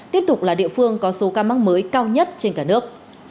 tiếp tục là địa phương có số ca mắc mới cao nhất trên cả nước